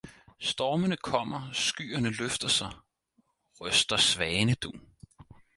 Stormene kommer, skyerne løfter sig, ryster svanedun.